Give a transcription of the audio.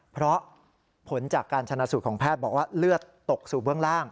เพราะผลจากการชนะสูตรของแพทย์บอกว่าเลือดตกสู่เบื้องล่าง